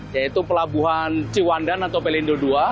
yaitu pelabuhan ciwandan atau pelindo ii